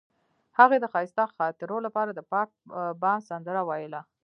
هغې د ښایسته خاطرو لپاره د پاک بام سندره ویله.